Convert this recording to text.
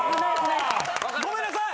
ごめんなさい！